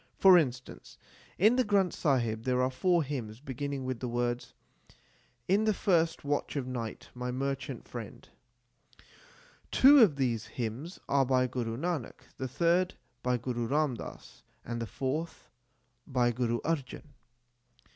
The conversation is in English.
For instance, in the Granth Sahib there are four hymns beginning with the words, In the first watch of night, my merchant friend/ Two of these hymns are by Guru Nanak, the third by Guru Ram Das, and the fourth by Guru Arjan.